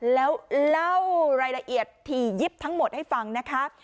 แล้วเล่ารายละเอียดถี่ยิบทั้งหมดให้ฟังนะคะ